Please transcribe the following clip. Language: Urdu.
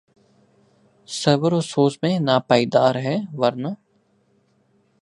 سرور و سوز میں ناپائیدار ہے ورنہ